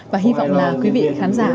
và hy vọng là quý vị khán giả